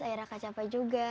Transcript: akhirnya kacapa juga